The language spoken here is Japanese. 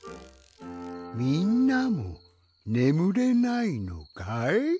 みんなもねむれないのかい？